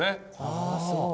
あっすごい。